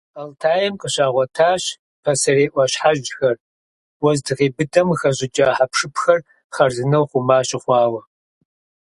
Алтайм къыщагъуэтащ пасэрей Ӏуащхьэжьхэр, уэздыгъей быдэм къыхэщӀыкӀа хьэпшыпхэр хъарзынэу хъума щыхъуауэ.